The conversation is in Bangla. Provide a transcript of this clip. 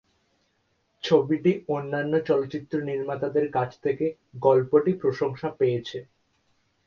ছবিটি অন্যান্য চলচ্চিত্র নির্মাতাদের কাছ থেকে "গল্পটি" প্রশংসা পেয়েছে।